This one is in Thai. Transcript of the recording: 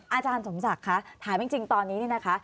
อาจารย์สมศักดิ์คะถามจริงตอนนี้เนี่ยนะคะ